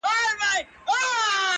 چي منلی پر کابل او هندوستان وو-